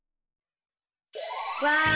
わあ！